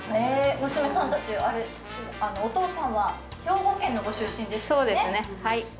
娘さんたち、お父さんは兵庫県のご出身ですね。